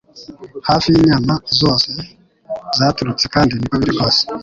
Hafi yinyama zose zaturutse kandi niko biri rwose